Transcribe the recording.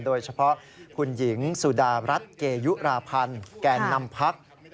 โดยเฉพาะคุณหญิงสุดารัฐเกยุราพันธ์แก่นำพัก